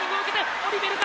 オリベルか！